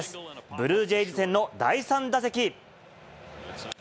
ブルージェイズ戦の第３打席。